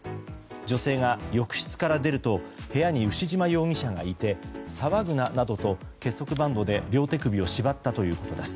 女性が浴室から出ると部屋に牛島容疑者がいて騒ぐななどと結束バンドで両手首を縛ったということです。